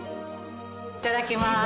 いただきます。